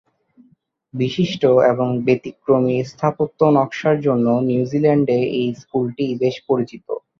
বিশিষ্ট এবং ব্যতিক্রমী স্থাপত্য নকশার জন্য নিউজিল্যান্ডে এই স্কুলটি বেশ পরিচিত।